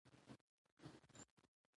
تالابونه د افغانستان طبعي ثروت دی.